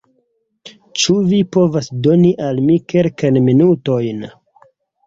Ĉu vi povas doni al mi kelkajn minutojn?